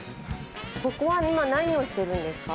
ここは今、何をしてるんですか？